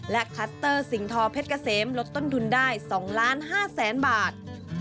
และคลัสเตอร์สิงธอเพชรเกษมลดต้นทุนได้๒๕๐๐๐๐๐บาท